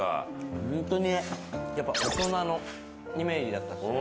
ホントにやっぱ大人のイメージだったっすね。